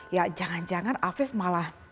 ya jangan jangan afif malah